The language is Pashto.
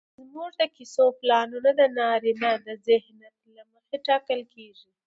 زموږ د کيسو پلاټونه د نارينه ذهنيت له مخې ټاکل کېږي